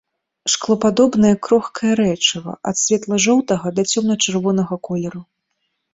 Шклопадобнае крохкае рэчыва ад светла-жоўтага да цёмна-чырвонага колеру.